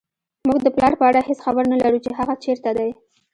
موږ د پلار په اړه هېڅ خبر نه لرو چې هغه چېرته دی